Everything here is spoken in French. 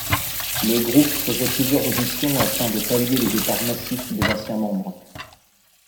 Le groupe faisait plusieurs auditions afin de pallier les départs massifs des anciens membres.